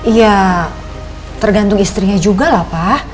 ya tergantung istrinya juga lah pak